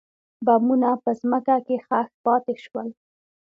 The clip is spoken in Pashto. بمونه په ځمکه کې ښخ پاتې شول.